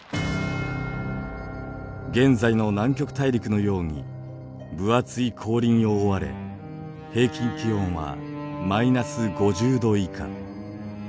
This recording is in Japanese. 現在の南極大陸のように分厚い氷に覆われ平均気温はマイナス５０度以下。